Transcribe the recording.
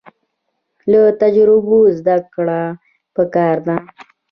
له تجربو زده کړه پکار ده